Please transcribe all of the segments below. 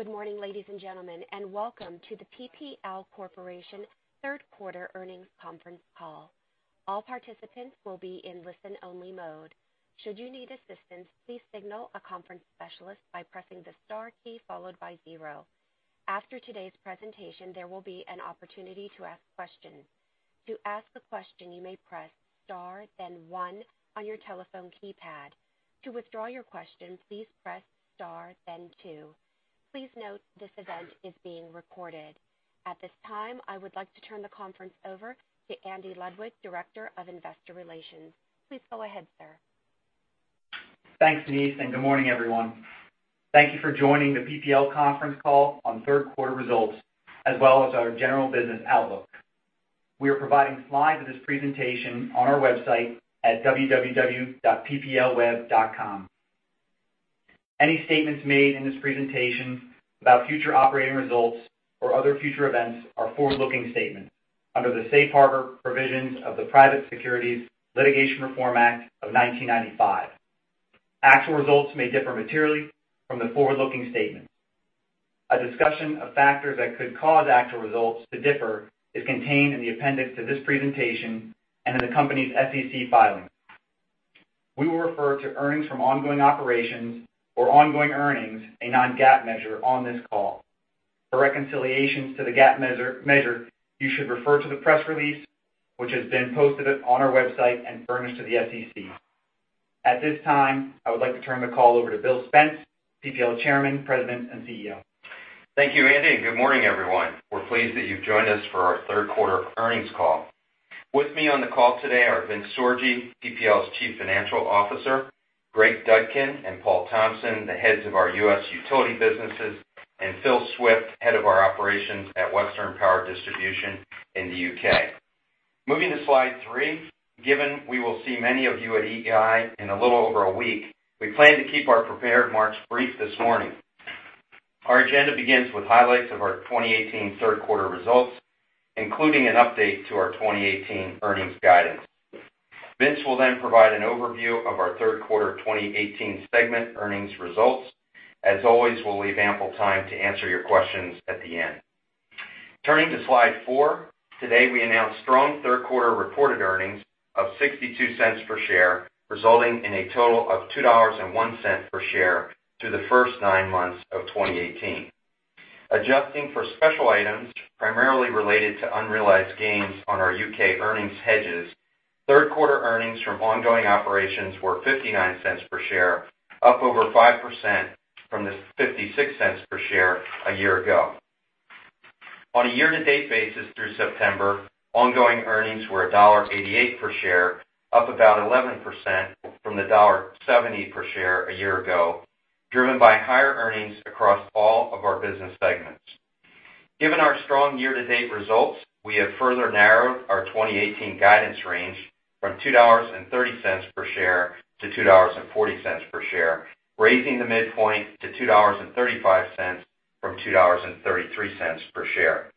Good morning, ladies and gentlemen, and welcome to the PPL Corporation third quarter earnings conference call. All participants will be in listen-only mode. Should you need assistance, please signal a conference specialist by pressing the star key followed by zero. After today's presentation, there will be an opportunity to ask questions. To ask a question, you may press star, then one on your telephone keypad. To withdraw your question, please press star, then two. Please note this event is being recorded. At this time, I would like to turn the conference over to Andy Ludwig, Director of Investor Relations. Please go ahead, sir. Thanks, Denise, and good morning, everyone. Thank you for joining the PPL conference call on third quarter results, as well as our general business outlook. We are providing slides of this presentation on our website at www.pplweb.com. Any statements made in this presentation about future operating results or other future events are forward-looking statements under the safe harbor provisions of the Private Securities Litigation Reform Act of 1995. Actual results may differ materially from the forward-looking statements. A discussion of factors that could cause actual results to differ is contained in the appendix to this presentation and in the company's SEC filings. We will refer to earnings from ongoing operations or ongoing earnings, a non-GAAP measure on this call. For reconciliations to the GAAP measure, you should refer to the press release, which has been posted on our website and furnished to the SEC. At this time, I would like to turn the call over to Bill Spence, PPL Chairman, President, and CEO. Thank you, Andy, and good morning, everyone. We're pleased that you've joined us for our third quarter earnings call. With me on the call today are Vince Sorgi, PPL's Chief Financial Officer, Greg Dudkin and Paul Thompson, the heads of our U.S. utility businesses, and Phil Swift, head of our operations at Western Power Distribution in the U.K. Moving to slide three. Given we will see many of you at EEI in a little over a week, we plan to keep our prepared remarks brief this morning. Our agenda begins with highlights of our 2018 third quarter results, including an update to our 2018 earnings guidance. Vince will then provide an overview of our third quarter 2018 segment earnings results. As always, we'll leave ample time to answer your questions at the end. Turning to slide four. Today, we announced strong third quarter reported earnings of $0.62 per share, resulting in a total of $2.01 per share through the first nine months of 2018. Adjusting for special items primarily related to unrealized gains on our U.K. earnings hedges, third quarter earnings from ongoing operations were $0.59 per share, up over 5% from the $0.56 per share a year ago. On a year-to-date basis through September, ongoing earnings were $1.88 per share, up about 11% from the $1.70 per share a year ago, driven by higher earnings across all of our business segments. Given our strong year-to-date results, we have further narrowed our 2018 guidance range from $2.30 per share-$2.40 per share, raising the midpoint to $2.35 from $2.33 per share.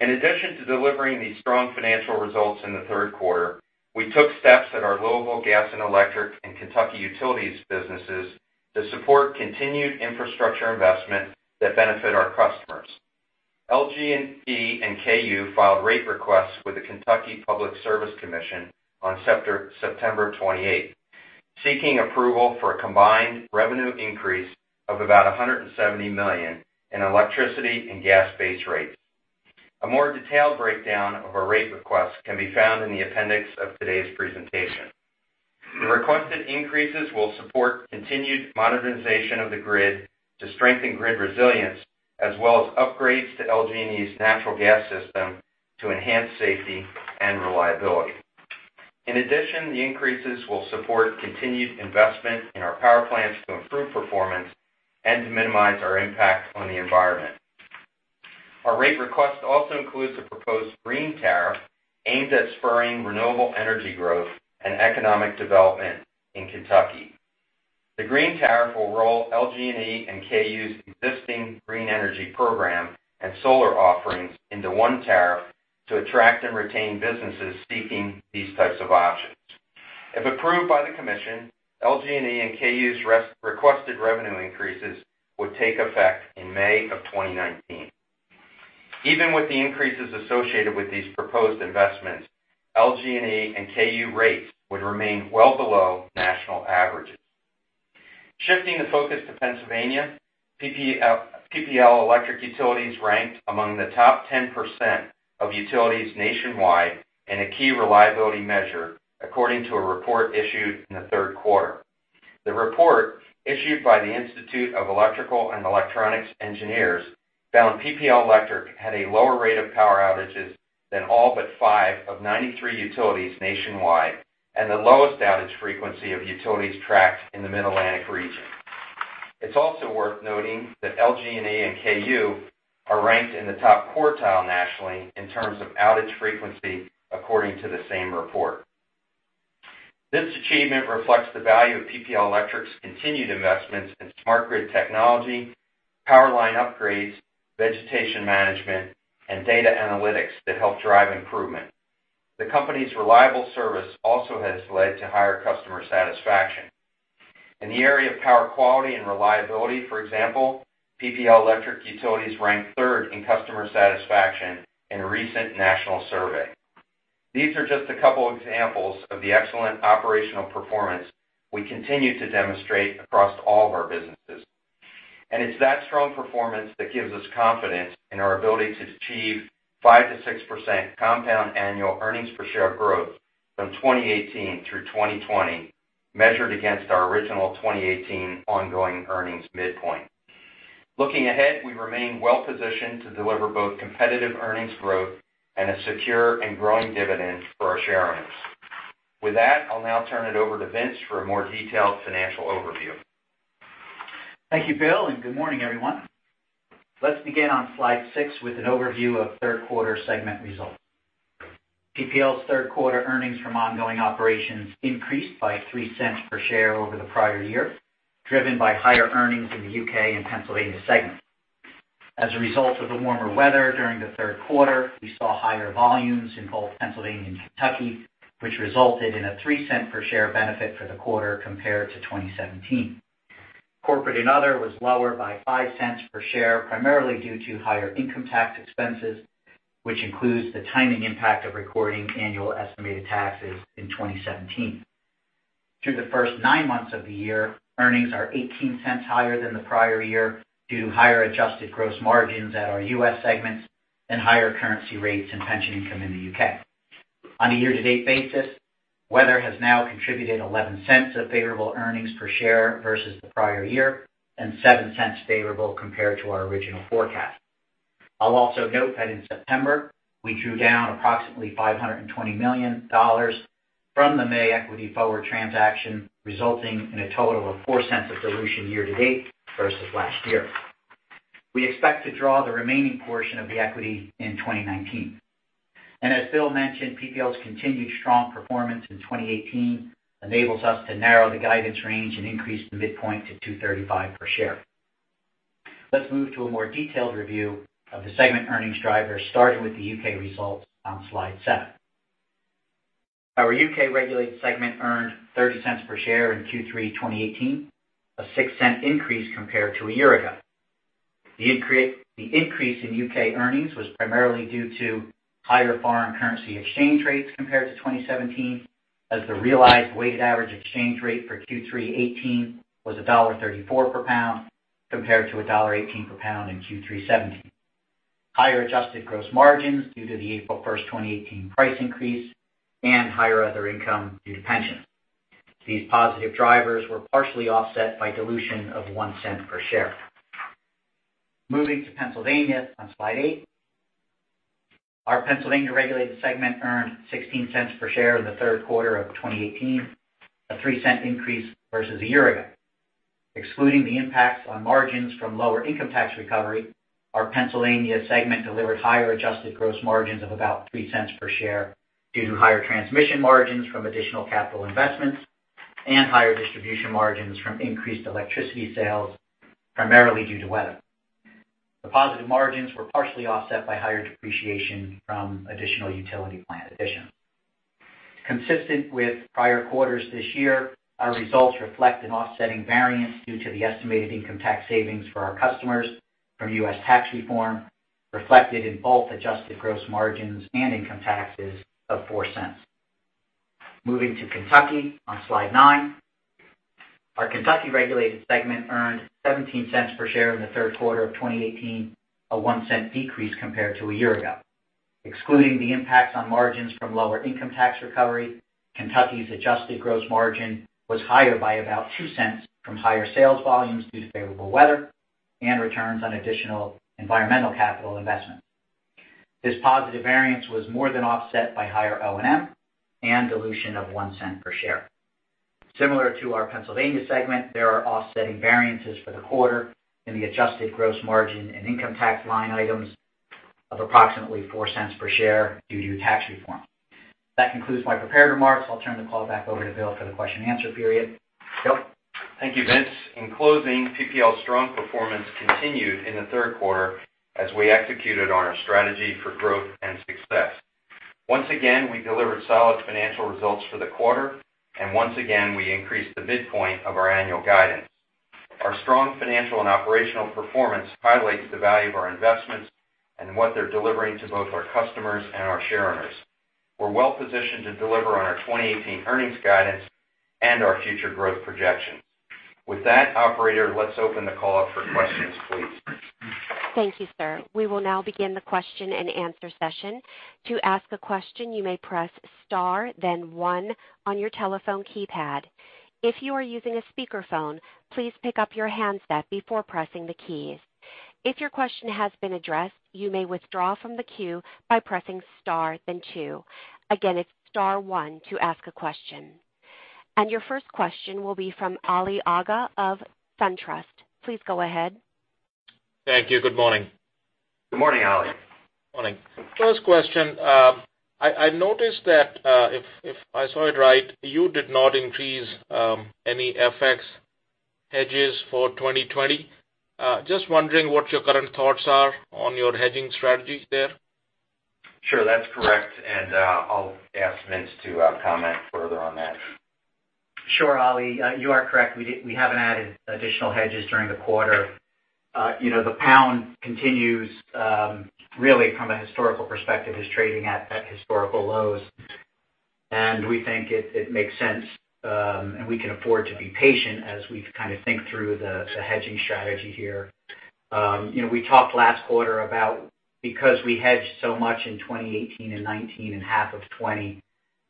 In addition to delivering these strong financial results in the third quarter, we took steps at our Louisville Gas & Electric and Kentucky Utilities businesses to support continued infrastructure investment that benefit our customers. LG&E and KU filed rate requests with the Kentucky Public Service Commission on September 28th, seeking approval for a combined revenue increase of about $170 million in electricity and gas base rates. A more detailed breakdown of our rate requests can be found in the appendix of today's presentation. The requested increases will support continued modernization of the grid to strengthen grid resilience, as well as upgrades to LG&E's natural gas system to enhance safety and reliability. In addition, the increases will support continued investment in our power plants to improve performance and to minimize our impact on the environment. Our rate request also includes a proposed green tariff aimed at spurring renewable energy growth and economic development in Kentucky. The green tariff will roll LG&E and KU's existing green energy program and solar offerings into one tariff to attract and retain businesses seeking these types of options. If approved by the commission, LG&E and KU's requested revenue increases would take effect in May of 2019. Even with the increases associated with these proposed investments, LG&E and KU rates would remain well below national averages. Shifting the focus to Pennsylvania, PPL Electric Utilities ranked among the top 10% of utilities nationwide in a key reliability measure, according to a report issued in the third quarter. The report, issued by the Institute of Electrical and Electronics Engineers, found PPL Electric had a lower rate of power outages than all but five of 93 utilities nationwide and the lowest outage frequency of utilities tracked in the Mid-Atlantic region. It's also worth noting that LG&E and KU are ranked in the top quartile nationally in terms of outage frequency, according to the same report. This achievement reflects the value of PPL Electric's continued investments in smart grid technology, power line upgrades, vegetation management, and data analytics that help drive improvement. The company's reliable service also has led to higher customer satisfaction. In the area of power, quality, and reliability, for example, PPL Electric Utilities ranked third in customer satisfaction in a recent national survey. These are just a couple examples of the excellent operational performance we continue to demonstrate across all of our businesses. It's that strong performance that gives us confidence in our ability to achieve 5%-6% compound annual EPS growth from 2018-2020, measured against our original 2018 ongoing earnings midpoint. Looking ahead, we remain well-positioned to deliver both competitive earnings growth and a secure and growing dividend for our shareowners. With that, I'll now turn it over to Vince for a more detailed financial overview. Thank you, Bill, and good morning, everyone. Let's begin on slide six with an overview of third quarter segment results. PPL's third quarter earnings from ongoing operations increased by $0.03 per share over the prior year, driven by higher earnings in the U.K. and Pennsylvania segments. As a result of the warmer weather during the third quarter, we saw higher volumes in both Pennsylvania and Kentucky, which resulted in a $0.03 per share benefit for the quarter compared to 2017. Corporate and other was lower by $0.05 per share, primarily due to higher income tax expenses, which includes the timing impact of recording annual estimated taxes in 2017. Through the first nine months of the year, earnings are $0.18 higher than the prior year due to higher adjusted gross margins at our U.S. segments and higher currency rates and pension income in the U.K. On a year-to-date basis, weather has now contributed $0.11 of favorable EPS versus the prior year and $0.07 favorable compared to our original forecast. I'll also note that in September, we drew down approximately $520 million from the May equity forward transaction, resulting in a total of $0.04 of dilution year-to-date versus last year. As Bill mentioned, PPL's continued strong performance in 2018 enables us to narrow the guidance range and increase the midpoint to $2.35 per share. Let's move to a more detailed review of the segment earnings drivers, starting with the U.K. results on slide seven. Our U.K. regulated segment earned $0.30 per share in Q3 2018, a $0.06 increase compared to a year ago. The increase in U.K. earnings was primarily due to higher foreign currency exchange rates compared to 2017, as the realized weighted average exchange rate for Q3 2018 was $1.34 per pound, compared to $1.18 per pound in Q3 2017. Higher adjusted gross margins due to the April 1, 2018 price increase and higher other income due to pensions. These positive drivers were partially offset by dilution of $0.01 per share. Moving to Pennsylvania on slide eight. Our Pennsylvania regulated segment earned $0.16 per share in the third quarter of 2018, a $0.03 increase versus a year ago. Excluding the impacts on margins from lower income tax recovery, our Pennsylvania segment delivered higher adjusted gross margins of about $0.03 per share due to higher transmission margins from additional capital investments and higher distribution margins from increased electricity sales, primarily due to weather. The positive margins were partially offset by higher depreciation from additional utility plant additions. Consistent with prior quarters this year, our results reflect an offsetting variance due to the estimated income tax savings for our customers from U.S. tax reform, reflected in both adjusted gross margins and income taxes of $0.04. Moving to Kentucky on slide nine. Our Kentucky regulated segment earned $0.17 per share in the third quarter of 2018, a $0.01 decrease compared to a year ago. Excluding the impacts on margins from lower income tax recovery, Kentucky's adjusted gross margin was higher by about $0.02 from higher sales volumes due to favorable weather and returns on additional environmental capital investments. This positive variance was more than offset by higher O&M and dilution of $0.01 per share. Similar to our Pennsylvania segment, there are offsetting variances for the quarter in the adjusted gross margin and income tax line items of approximately $0.04 per share due to tax reform. That concludes my prepared remarks. I'll turn the call back over to Bill for the question and answer period. Bill? Thank you, Vince. In closing, PPL's strong performance continued in the third quarter as we executed on our strategy for growth and success. Once again, we delivered solid financial results for the quarter, and once again, we increased the midpoint of our annual guidance. Our strong financial and operational performance highlights the value of our investments and what they're delivering to both our customers and our shareowners. We're well positioned to deliver on our 2018 earnings guidance and our future growth projections. With that, operator, let's open the call up for questions, please. Thank you, sir. We will now begin the question and answer session. To ask a question, you may press star then one on your telephone keypad. If you are using a speakerphone, please pick up your handset before pressing the keys. If your question has been addressed, you may withdraw from the queue by pressing star then two. Again, it's star one to ask a question. Your first question will be from Ali Agha of SunTrust. Please go ahead. Thank you. Good morning. Good morning, Ali. Morning. First question. I noticed that, if I saw it right, you did not increase any FX hedges for 2020. Just wondering what your current thoughts are on your hedging strategies there. Sure. That's correct, I'll ask Vince to comment further on that. Sure, Ali. You are correct. We haven't added additional hedges during the quarter. The pound continues, really from a historical perspective, is trading at historical lows, and we think it makes sense, and we can afford to be patient as we kind of think through the hedging strategy here. We talked last quarter about because we hedged so much in 2018 and 2019 and half of 2020,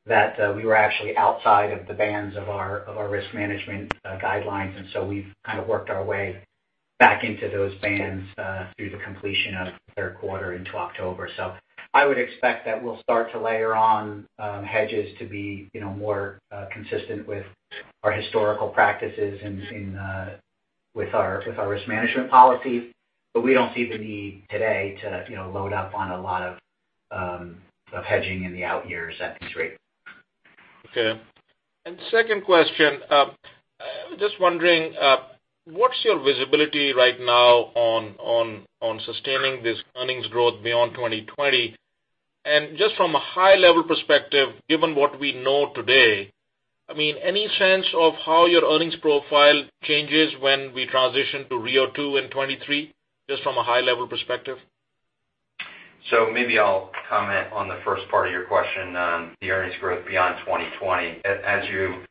that we were actually outside of the bands of our risk management guidelines, and we've kind of worked our way back into those bands through the completion of third quarter into October. I would expect that we'll start to layer on hedges to be more consistent with our historical practices and with our risk management policies. We don't see the need today to load up on a lot of hedging in the out years at these rates. Okay. Second question. I was just wondering, what's your visibility right now on sustaining this earnings growth beyond 2020? Just from a high-level perspective, given what we know today, any sense of how your earnings profile changes when we transition to RIIO 2 in 2023, just from a high-level perspective? Maybe I'll comment on the first part of your question on the earnings growth beyond 2020. As you,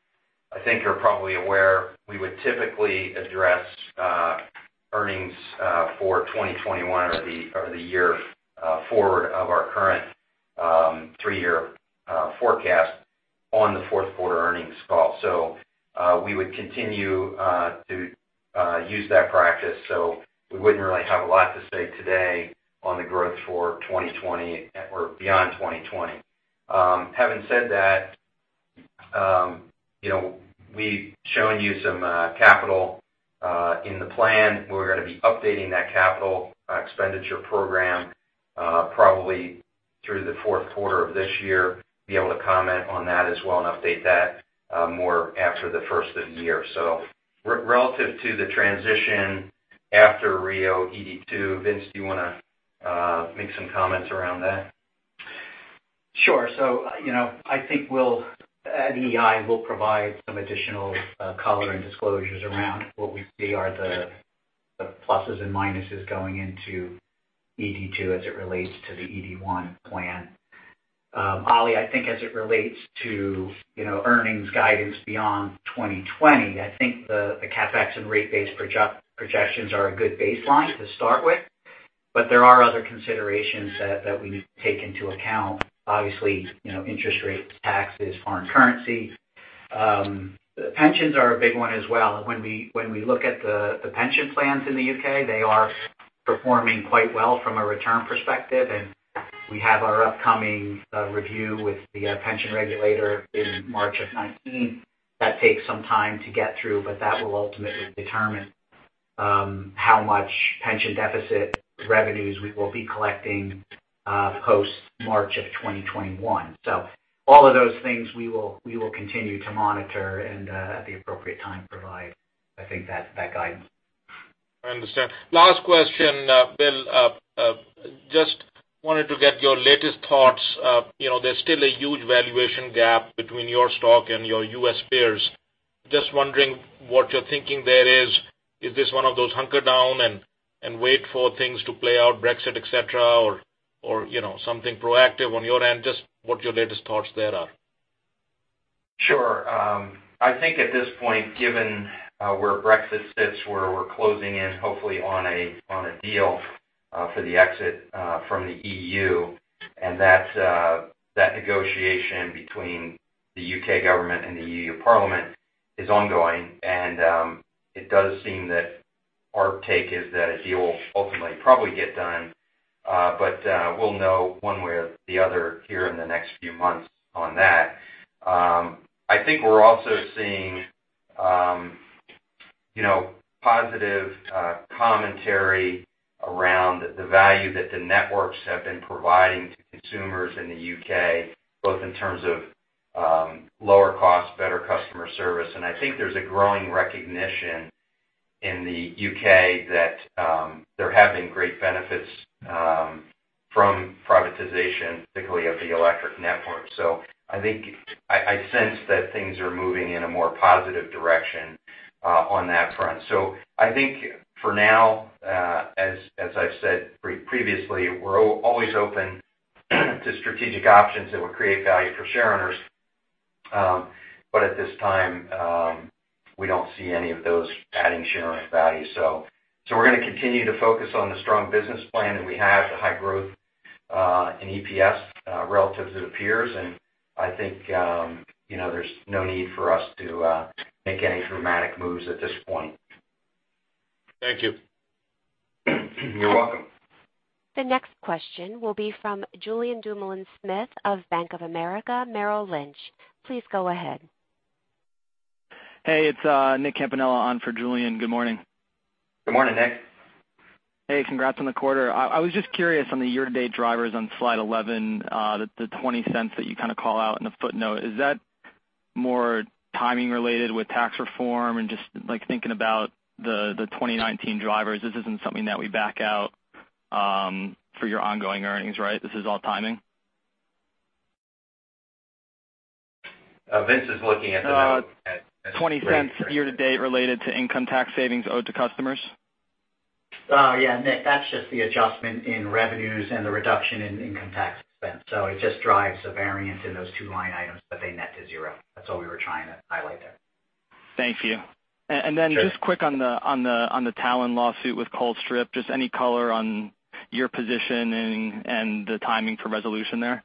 I think, are probably aware, we would typically address earnings for 2021 or the year forward of our current three-year forecast on the fourth quarter earnings call. We would continue to use that practice. We wouldn't really have a lot to say today on the growth for 2020 or beyond 2020. Having said that, we've shown you some capital in the plan. We're going to be updating that capital expenditure program probably through the fourth quarter of this year, be able to comment on that as well and update that more after the first of the year. Relative to the transition after RIIO ED2, Vince, do you want to make some comments around that? Sure. I think at EEI, we'll provide some additional color and disclosures around what we see are the pluses and minuses going into ED2 as it relates to the ED1 plan. Ali, I think as it relates to earnings guidance beyond 2020, I think the CapEx and rate base projections are a good baseline to start with, but there are other considerations that we need to take into account. Obviously, interest rates, taxes, foreign currency. Pensions are a big one as well. When we look at the pension plans in the U.K., they are performing quite well from a return perspective, and we have our upcoming review with the pension regulator in March of 2019. That takes some time to get through, but that will ultimately determine how much pension deficit revenues we will be collecting post March of 2021. All of those things we will continue to monitor and at the appropriate time provide, I think, that guidance. I understand. Last question, Bill. Just wanted to get your latest thoughts. There's still a huge valuation gap between your stock and your U.S. peers. Just wondering what your thinking there is. Is this one of those hunker down and wait for things to play out, Brexit, et cetera, or something proactive on your end? Just what your latest thoughts there are. Sure. I think at this point, given where Brexit sits, where we're closing in, hopefully, on a deal for the exit from the EU, that negotiation between the U.K. government and the EU Parliament is ongoing, and it does seem that our take is that a deal will ultimately probably get done. We'll know one way or the other here in the next few months on that. I think we're also seeing positive commentary around the value that the networks have been providing to consumers in the U.K., both in terms of lower cost, better customer service. I think there's a growing recognition in the U.K. that they're having great benefits from privatization, particularly of the electric network. I sense that things are moving in a more positive direction on that front. I think for now, as I've said previously, we're always open to strategic options that would create value for share owners. At this time, we don't see any of those adding share owner value. We're going to continue to focus on the strong business plan that we have, the high growth in EPS relative to the peers, I think there's no need for us to make any dramatic moves at this point. Thank you. You're welcome. The next question will be from Julien Dumoulin-Smith of Bank of America Merrill Lynch. Please go ahead. Hey, it's Nicholas Campanella on for Julien. Good morning. Good morning, Nick. Hey, congrats on the quarter. I was just curious on the year-to-date drivers on slide 11, the $0.20 that you kind of call out in the footnote. Is that more timing related with tax reform and just thinking about the 2019 drivers? This isn't something that we back out for your ongoing earnings, right? This is all timing? Vince is looking at the numbers. $0.20 year-to-date related to income tax savings owed to customers. Yeah, Nick, that's just the adjustment in revenues and the reduction in income tax expense. It just drives a variance in those two line items, but they net to zero. That's all we were trying to highlight there. Thank you. Then just quick on the Talen lawsuit with Colstrip, just any color on your position and the timing for resolution there?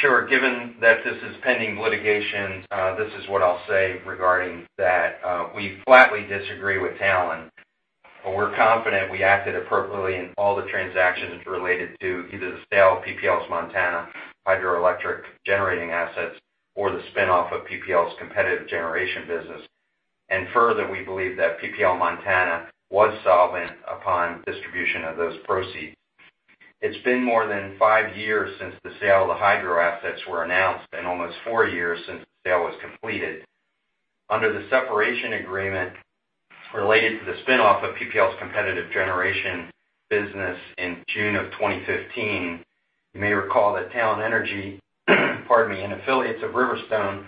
Sure. Given that this is pending litigation, this is what I'll say regarding that. We flatly disagree with Talen, but we're confident we acted appropriately in all the transactions related to either the sale of PPL's Montana hydroelectric generating assets or the spin-off of PPL's competitive generation business. Further, we believe that PPL Montana was solvent upon distribution of those proceeds. It's been more than 5 years since the sale of the hydro assets were announced and almost 4 years since the sale was completed. Under the separation agreement related to the spin-off of PPL's competitive generation business in June 2015, you may recall that Talen Energy, pardon me, and affiliates of Riverstone,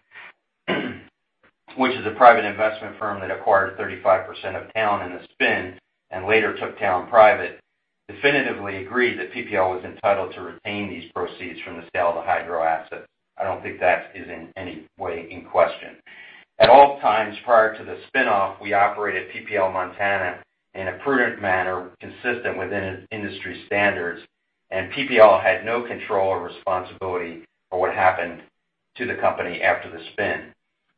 which is a private investment firm that acquired 35% of Talen in the spin and later took Talen private, definitively agreed that PPL was entitled to retain these proceeds from the sale of the hydro asset. I don't think that is in any way in question. At all times prior to the spin-off, we operated PPL Montana in a prudent manner consistent within industry standards, and PPL had no control or responsibility for what happened to the company after the spin.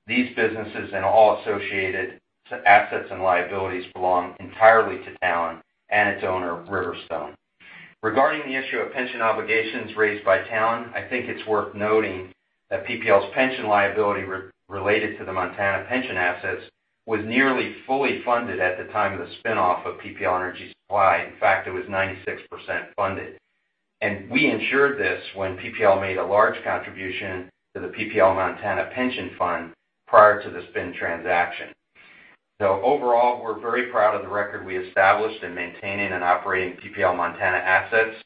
These businesses and all associated assets and liabilities belong entirely to Talen and its owner, Riverstone. Regarding the issue of pension obligations raised by Talen, I think it's worth noting that PPL's pension liability related to the Montana pension assets was nearly fully funded at the time of the spin-off of PPL Energy Supply. In fact, it was 96% funded. We ensured this when PPL made a large contribution to the PPL Montana pension fund prior to the spin transaction. Overall, we're very proud of the record we established in maintaining and operating PPL Montana assets,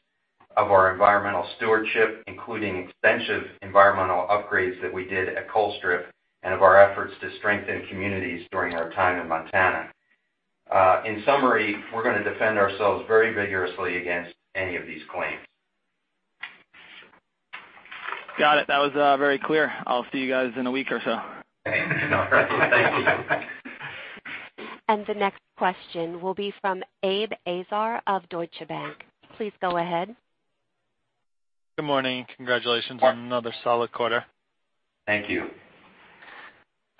of our environmental stewardship, including extensive environmental upgrades that we did at Colstrip, and of our efforts to strengthen communities during our time in Montana. In summary, we're going to defend ourselves very vigorously against any of these claims. Got it. That was very clear. I'll see you guys in a week or so. Okay. Thank you. The next question will be from Abe Azar of Deutsche Bank. Please go ahead. Good morning. Congratulations on another solid quarter. Thank you.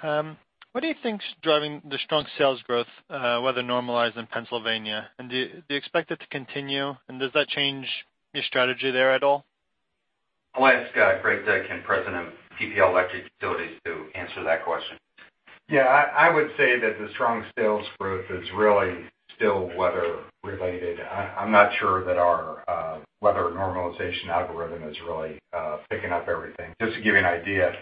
What do you think is driving the strong sales growth, weather normalized in Pennsylvania? Do you expect it to continue, and does that change your strategy there at all? I'll ask Greg Dudkin, President of PPL Electric Utilities, to answer that question. I would say that the strong sales growth is really still weather related. I am not sure that our weather normalization algorithm is really picking up everything. Just to give you an idea,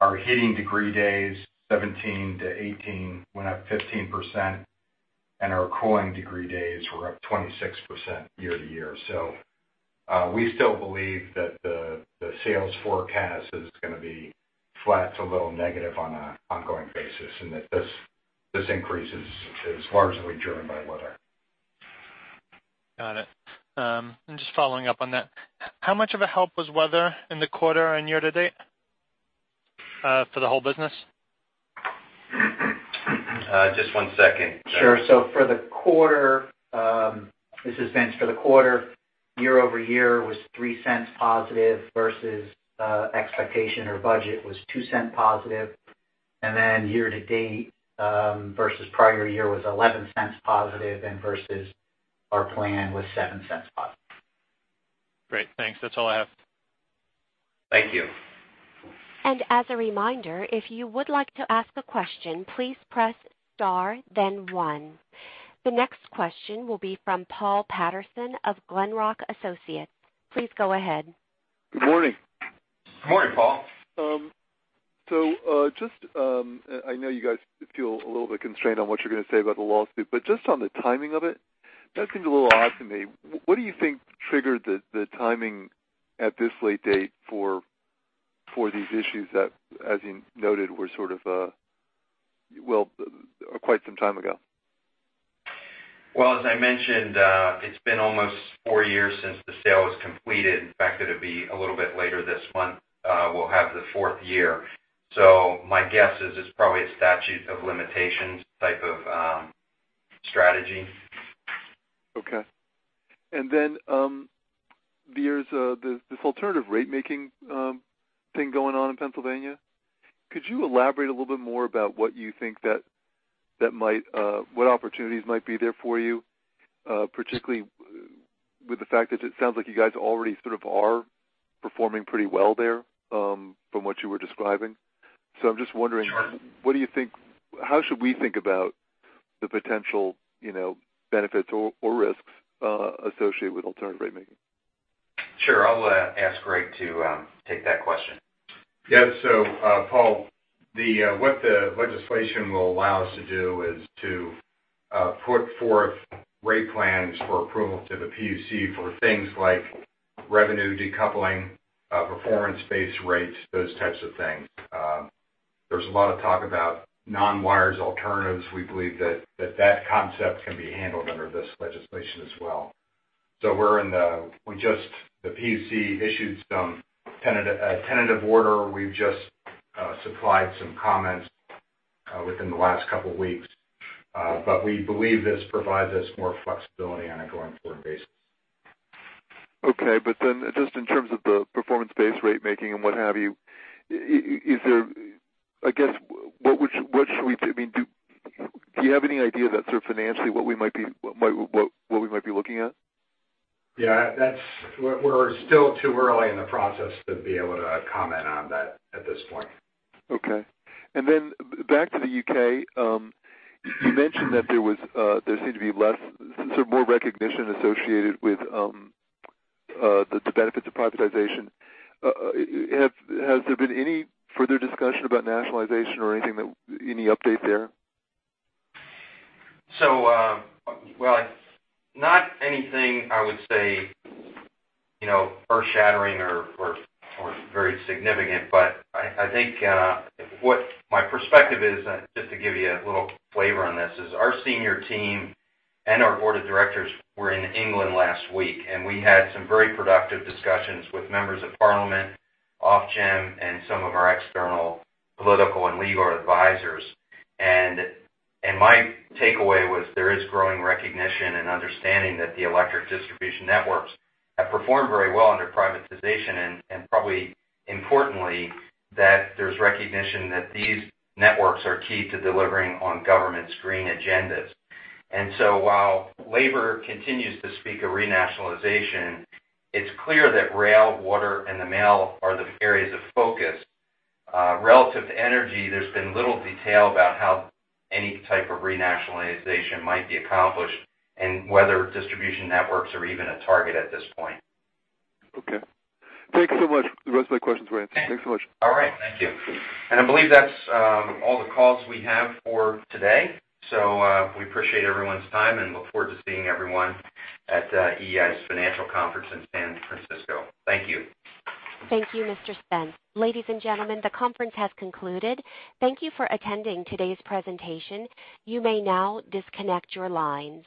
our heating degree days 2017 to 2018 went up 15%, and our cooling degree days were up 26% year-over-year. We still believe that the sales forecast is going to be flat to a little negative on an ongoing basis, and that this increase is largely driven by weather. Got it. Just following up on that, how much of a help was weather in the quarter and year-to-date for the whole business? Just one second. Sure. For the quarter, this is Vince. For the quarter, year-over-year was $0.03 positive versus expectation or budget was $0.02 positive. Year-to-date versus prior year was $0.11 positive and versus our plan was $0.07 positive. Great. Thanks. That's all I have. Thank you. As a reminder, if you would like to ask a question, please press star then one. The next question will be from Paul Patterson of Glenrock Associates. Please go ahead. Good morning. Good morning, Paul. Just, I know you guys feel a little bit constrained on what you're going to say about the lawsuit, but just on the timing of it, that seems a little odd to me. What do you think triggered the timing at this late date for these issues that, as you noted, were sort of, well, quite some time ago? Well, as I mentioned, it's been almost four years since the sale was completed. In fact, it'll be a little bit later this month, we'll have the fourth year. My guess is it's probably a statute of limitations type of strategy. Okay. Then, there's this alternative rate-making thing going on in Pennsylvania. Could you elaborate a little bit more about what you think what opportunities might be there for you, particularly with the fact that it sounds like you guys already sort of are performing pretty well there, from what you were describing. I'm just wondering. Sure What do you think? How should we think about the potential benefits or risks associated with alternative rate making? Sure. I'll ask Greg to take that question. Yeah. Paul, what the legislation will allow us to do is to put forth rate plans for approval to the PUC for things like revenue decoupling, performance-based rates, those types of things. There's a lot of talk about non-wires alternatives. We believe that that concept can be handled under this legislation as well. The PUC issued some tentative order. We've just supplied some comments within the last couple of weeks, we believe this provides us more flexibility on a going-forward basis. Okay. Just in terms of the performance-based rate making and what have you, do you have any idea that sort of financially what we might be looking at? Yeah. We're still too early in the process to be able to comment on that at this point. Okay. Then back to the U.K., you mentioned that there seemed to be more recognition associated with the benefits of privatization. Has there been any further discussion about nationalization or anything, any update there? Well, not anything I would say earth-shattering or very significant, but I think what my perspective is, just to give you a little flavor on this, is our senior team and our board of directors were in England last week, and we had some very productive discussions with members of Parliament, Ofgem, and some of our external political and legal advisors. My takeaway was there is growing recognition and understanding that the electric distribution networks have performed very well under privatization, and probably importantly, that there's recognition that these networks are key to delivering on government's green agendas. While Labour continues to speak of renationalization, it's clear that rail, water, and the mail are the areas of focus. Relative to energy, there's been little detail about how any type of renationalization might be accomplished and whether distribution networks are even a target at this point. Okay. Thanks so much. The rest of my questions were answered. Thanks so much. I believe that's all the calls we have for today. We appreciate everyone's time and look forward to seeing everyone at EEI's Financial Conference in San Francisco. Thank you. Thank you, Mr. Spence. Ladies and gentlemen, the conference has concluded. Thank you for attending today's presentation. You may now disconnect your lines.